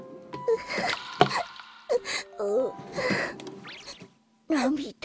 あ。なみだ？